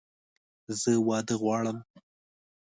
زه واده غواړم!